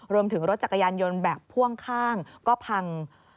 รวมถึงรถจักรยานยนต์แบบพ่วงข้างก็พัง